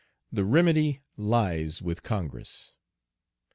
The remedy lies with Congress.